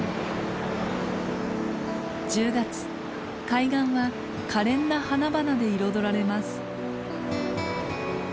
海岸はかれんな花々で彩られます。